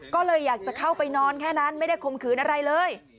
ก็เลยอยากจะเข้าไปนอนแค่นั้นไม่ได้ข่มขืนอะไรเลย